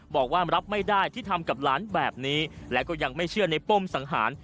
บอกว่ารับไม่ได้ที่ทำกับหลานแบบนี้และก็ยังไม่เชื่อในป้มสังหาร